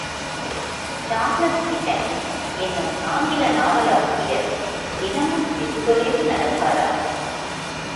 Charles Dickens என்னும் ஆங்கில நாவல் ஆசிரியர் தினமும் வெகு தொலைவு நடப்பாராம்.